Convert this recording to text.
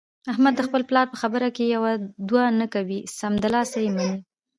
احمد د خپل پلار په خبره کې یوه دوه نه کوي، سمدلاسه یې مني.